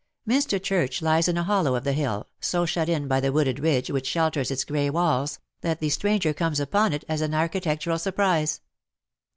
Minster Church lies in a hollow of the hill, so shut in by the wooded ridge which shelters its grey walls, that the stranger comes upon it as an architectural surprise.